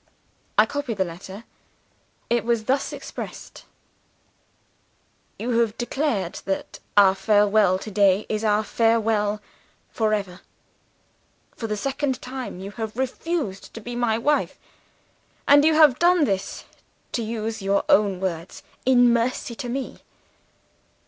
"I copy the letter. It was thus expressed: "'You have declared that our farewell to day is our farewell forever. For the second time, you have refused to be my wife; and you have done this, to use your own words, in mercy to Me.